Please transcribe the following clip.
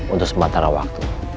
untuk sementara waktu